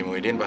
ya udah bang